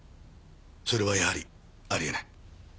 それはやはりありえない。